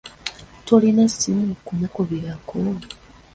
Tolina ssimu kumukubirako?